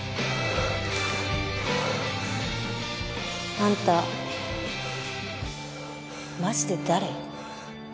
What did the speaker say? あんたマジで誰？